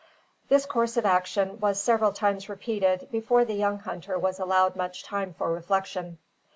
This course of action was several times repeated before the young hunter was allowed much time for reflection.